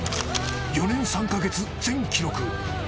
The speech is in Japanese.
４年３か月、全記録。